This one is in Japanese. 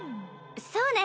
そうね。